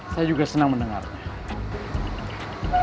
saya juga senang mendengarnya